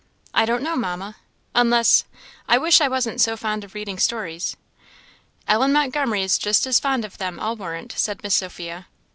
"I don't know, Mamma, unless I wish I wasn't so fond of reading stories." "Ellen Montgomery is just as fond of them, I'll warrant," said Miss Sophia.